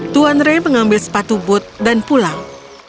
tuan ray mengambil sepatu booth dan pulang